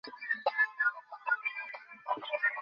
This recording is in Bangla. আসলেই ভালো ছিল।